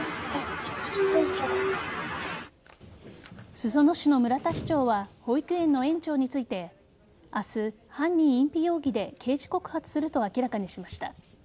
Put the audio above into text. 裾野市の村田市長は保育園の園長について明日、犯人隠避容疑で刑事告発すると明らかにしました。